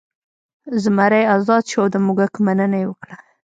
زمری ازاد شو او د موږک مننه یې وکړه.